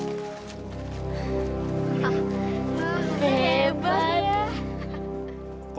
tua berapa ini berapa